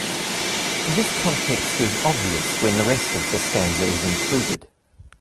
This context is obvious when the rest of the stanza is included.